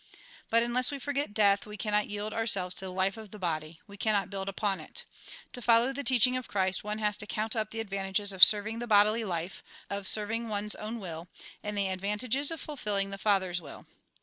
But unless we forget death, we cannot yield ourselves to the life of the body, we cannot build upon it. To follow the teaching of Christ, one has to count up the advantages of serving the bodily life, of serving one's own will, and the advantages of fulfilling the Father's will.